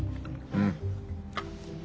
うん！